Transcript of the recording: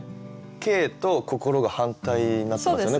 「景」と「心」が反対になってますよねこれこそ。